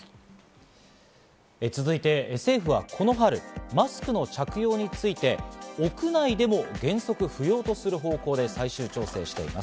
続いて、政府はこの春、マスクの着用について屋内でも原則不要とする方向で最終調整しています。